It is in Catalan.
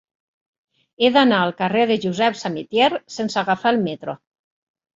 He d'anar al carrer de Josep Samitier sense agafar el metro.